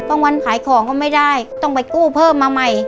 วันขายของก็ไม่ได้ต้องไปกู้เพิ่มมาใหม่